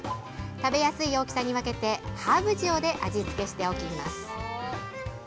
食べやすい大きさに分けてハーブ塩で味付けしておきます。